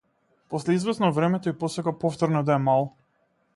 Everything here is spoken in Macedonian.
После извесно време, тој посака повторно да е мал.